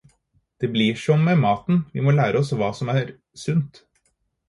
Det blir som med maten, vi må lære oss hva som er sunt.